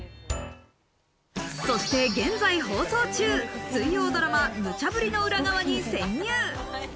そして現在放送中、水曜ドラマ『ムチャブリ！』の裏側に潜入。